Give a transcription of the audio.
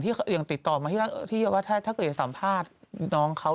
อย่างติดต่อมาที่ว่าถ้าเกิดสัมภาษณ์น้องเขา